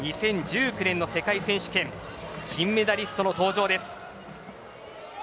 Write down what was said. ２０１９年の世界選手権金メダリストの登場です。